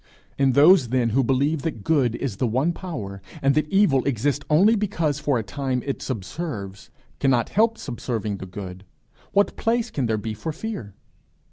In those then who believe that good is the one power, and that evil exists only because for a time it subserves, cannot help subserving the good, what place can there be for fear?